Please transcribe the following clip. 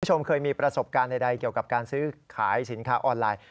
คุณผู้ชมเคยมีประสบการณ์ใดเกี่ยวกับการซื้อขายสินค้าออนไลน์